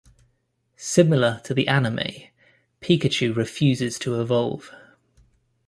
Similar to the anime, Pikachu refuses to evolve.